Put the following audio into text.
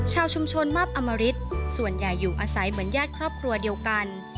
ชาวชุมชนมาบอมริตส่วนใหญ่อยู่อาศัยเหมือนญาติครอบครัวเดียวกัน